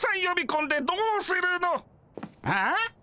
よびこんでどうするの。え？